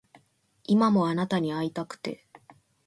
今もあなたに逢いたくて